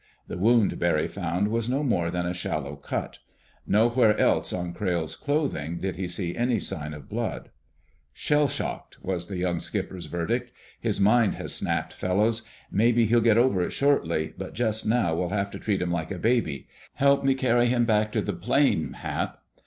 The wound, Barry found, was no more than a shallow cut. Nowhere else on Crayle's clothing did he see any sign of blood. "Shell shocked," was the young skipper's verdict. "His mind has snapped, fellows. Maybe he'll get over it shortly, but just now we'll have to treat him like a baby. Help me carry him back to the plane, Hap."